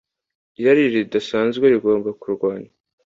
Irari Ridasanzwe Rigomba Kurwanywa